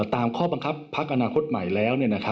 ตามข้อบังคับพักอนาคตใหม่แล้ว